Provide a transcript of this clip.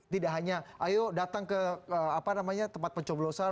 tidak hanya ayo datang ke tempat pencoblosan